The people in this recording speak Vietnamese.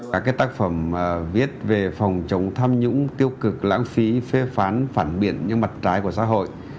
các tác phẩm viết về phòng chống tham nhũng tiêu cực lãng phí phê phán phản biện những mặt trái của xã hội